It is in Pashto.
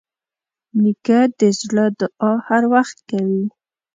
نیکه د زړه دعا هر وخت کوي.